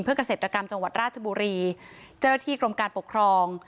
เกษตรกรรมจังหวัดราชบุรีเจ้าหน้าที่กรมการปกครอง